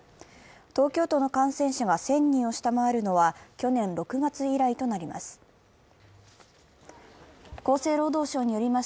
東京都の感染者が１０００人を下回るのは去年６月以来となります。